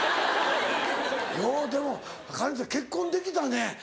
ようでもカレンちゃん結婚できたね